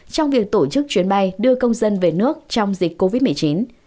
trong việc tổ chức chuyến bay đưa công dân về nước trong dịch covid một mươi chín